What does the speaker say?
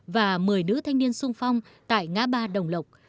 và một mươi nữ thanh niên sung phong tại ngã ba đồng lộc